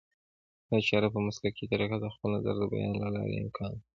دا چاره په مسلکي طریقه د خپل نظر د بیان له لارې امکان لري